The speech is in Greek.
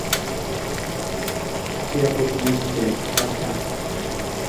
και αποκοιμήθηκε βαθιά